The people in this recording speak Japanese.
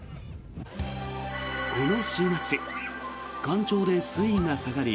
この週末、干潮で水位が下がり